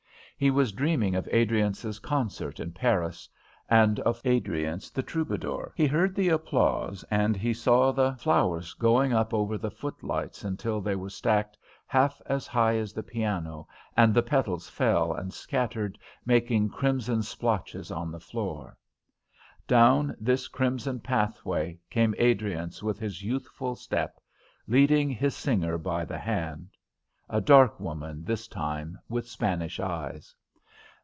He was dreaming of Adriance's concert in Paris, and of Adriance, the troubadour. He heard the applause and he saw the flowers going up over the footlights until they were stacked half as high as the piano, and the petals fell and scattered, making crimson splotches on the floor. Down this crimson pathway came Adriance with his youthful step, leading his singer by the hand; a dark woman this time, with Spanish eyes.